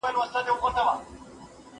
بیان کړئ.